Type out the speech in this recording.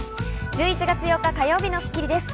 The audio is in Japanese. １１月８日、火曜日の『スッキリ』です。